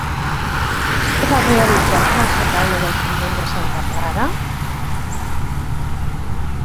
Què va realitzar per al retaule del convent de Santa Clara?